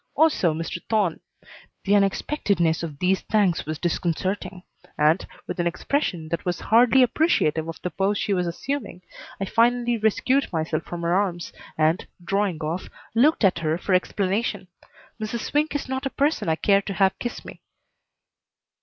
Also Mr. Thorne. The unexpectedness of these thanks was disconcerting and, with an expression that was hardly appreciative of the pose she was assuming, I finally rescued myself from her arms and, drawing off, looked at her for explanation. Mrs. Swink is not a person I care to have kiss me.